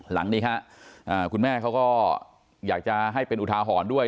หลังนี้ฮะคุณแม่เขาก็อยากจะให้เป็นอุทาหรณ์ด้วย